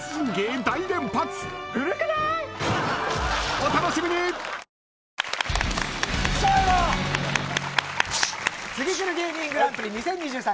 おいしい免疫ケアツギクル芸人グランプリ２０２３。